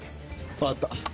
分かった。